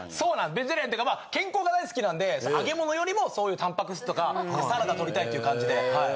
ベジタリアンっていうか健康が大好きなんで揚げ物よりもそういうタンパク質とかサラダ摂りたいっていう感じではい。